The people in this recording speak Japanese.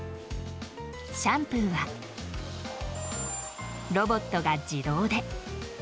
シャンプーはロボットが自動で。